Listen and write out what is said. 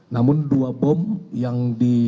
namun dua bom yang